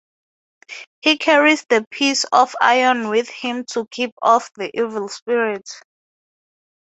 He carries the piece of iron with him to keep off the evil spirit.